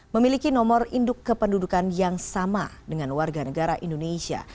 memiliki nomor induk kependudukan yang sama dengan warga negara indonesia